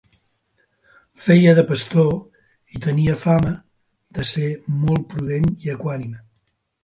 Feia de pastor i tenia fama de ser molt prudent i equànime.